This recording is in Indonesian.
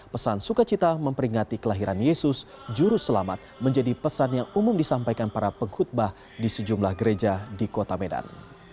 pesan sukacita memperingati kelahiran yesus jurus selamat menjadi pesan yang umum disampaikan para penghutbah di sejumlah gereja di kota medan